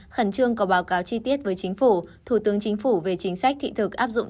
khẩn trương có báo cáo chi tiết với chính phủ thủ tướng chính phủ về chính sách thị thực áp dụng